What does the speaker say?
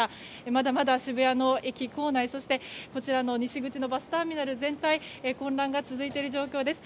まだまだ渋谷の駅構内、そして西口のバスターミナル全体混乱が続いている状況です。